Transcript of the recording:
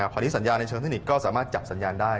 พอดีสัญญาในเชิงเทคนิคก็สามารถจับสัญญาณได้